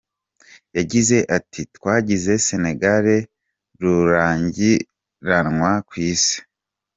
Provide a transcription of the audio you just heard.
Yagize ati "Twagize Senegal rurangiranwa kw'isi.